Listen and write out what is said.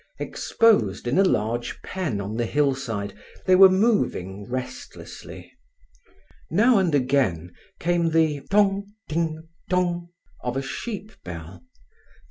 Exposed in a large pen on the hillside, they were moving restlessly; now and again came the "tong ting tong" of a sheep bell.